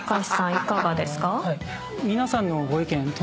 いかがですか？